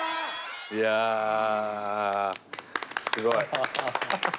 いやすごい。